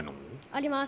あります。